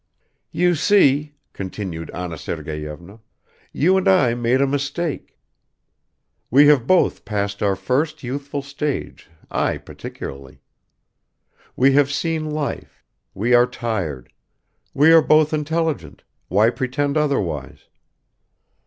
"You see," continued Anna Sergeyevna, "you and I made a mistake; we have both passed our first youthful stage, I particularly; we have seen life, we are tired; we are both intelligent why pretend otfierwise?